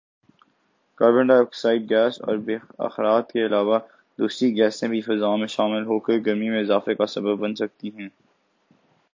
carbon dioxide gas اور آبی بخارات کے علاوہ ، دوسری گیسیں بھی فضا میں شامل ہوکر گرمی میں اضافے کا سبب بن سکتی ہیں